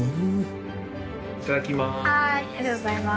いただきます。